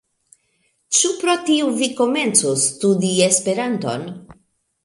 Ĉu pro tio, vi komencos studi Esperanton?